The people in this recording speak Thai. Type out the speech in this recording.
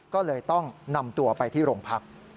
ก็เลยต้องนำตัวไปที่โรงพัก